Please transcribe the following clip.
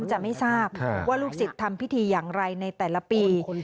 จะไม่ทราบว่าลูกศิษย์ทำพิธีอย่างไรในแต่ละปี